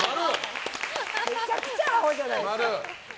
めちゃくちゃアホじゃないですか。